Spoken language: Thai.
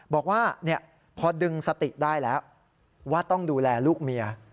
บอกว่าพอดึงสติได้แล้วว่าต้องดูแลลูกเมีย